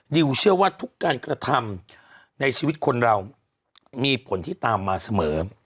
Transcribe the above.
ดิวเชื่อว่าทุกการกระทำในชีวิตคนเรามีผลที่ตามมาเสมอ